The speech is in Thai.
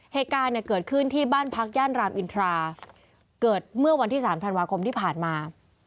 เหตุการณ์เนี่ยเกิดขึ้นที่บ้านพักย่านรามอินทราเกิดเมื่อวันที่๓ธันวาคมที่ผ่านมา